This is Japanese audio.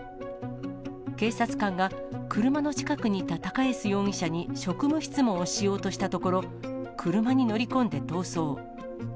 警察官が車の近くにいた高江洲容疑者に職務質問をしようとしたところ、車に乗り込んで逃走。